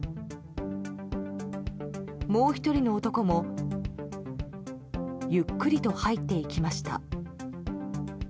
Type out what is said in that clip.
もう１人の男もゆっくりと入っていきました。